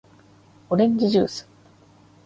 おれんじじゅーす